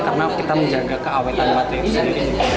karena kita menjaga keawetan baterai